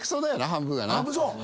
半分そう。